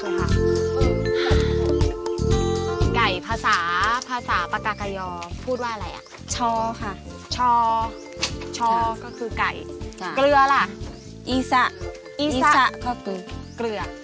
อีซะอีซะก็คือเกลือ